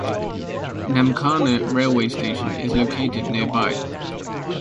Namkhana railway station is located nearby.